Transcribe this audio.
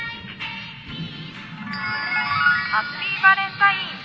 「ハッピーバレンタイン！」。